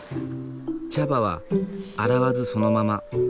茶葉は洗わずそのまま。